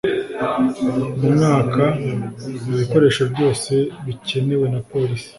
mwaka ibikoresho byose bikenewe na Polisi